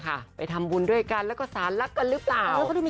ค่ะไปทำบุญด้วยกันแล้วก็สารรักกันหรือเปล่า